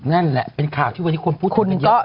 นั่นแหละเป็นข่าวที่วันนี้ควรพูดมาเยอะพอซักที